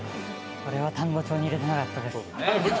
これは単語帳に入れてなかったです。